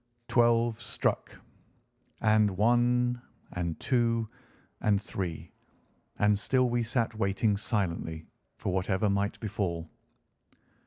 Twelve struck, and one and two and three, and still we sat waiting silently for whatever might befall.